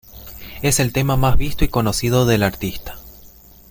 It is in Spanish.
Es el tema más visto y conocido del artista.